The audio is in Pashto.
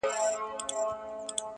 کورنۍ پرېکړه کوي په وېره,